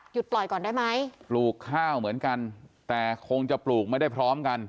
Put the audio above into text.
ปล่อยก่อนได้ไหมปลูกข้าวเหมือนกันแต่คงจะปลูกไม่ได้พร้อมกัน